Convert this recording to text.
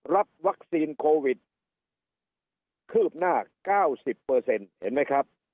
รับวัคซีนโควิดคืบหน้าเก้าสิบเปอร์เซ็นต์เห็นไหมครับ